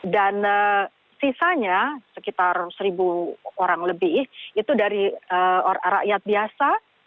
dan sisanya sekitar seribu orang lebih itu dari rakyat biasa